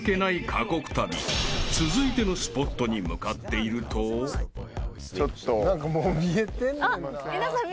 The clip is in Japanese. ［続いてのスポットに向かっていると］皆さん。